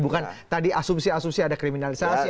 bukan tadi asumsi asumsi ada kriminalisasi